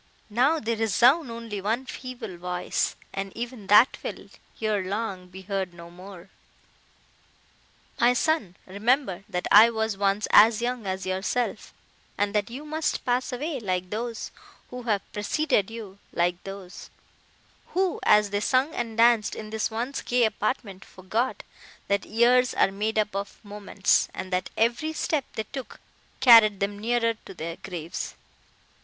Now, they resound only one feeble voice—and even that will, ere long, be heard no more! My son, remember, that I was once as young as yourself, and that you must pass away like those, who have preceded you—like those, who, as they sung and danced in this once gay apartment, forgot, that years are made up of moments, and that every step they took carried them nearer to their graves.